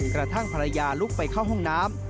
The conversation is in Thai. กระทั่งภรรยาลุกไปเข้าห้องน้ำ